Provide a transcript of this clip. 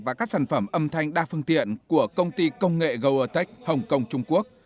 và các sản phẩm âm thanh đa phương tiện của công ty công nghệ goatech hồng kông trung quốc